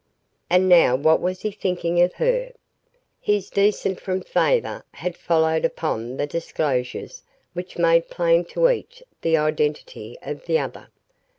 And now what was he thinking of her? His descent from favor had followed upon the disclosures which made plain to each the identity of the other.